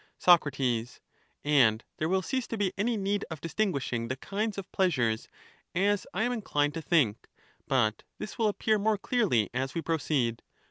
Soc, And there will cease to be any need of distinguishing the kinds of pleasures, as I am inclined to think, but this will appear more clearly as we proceed.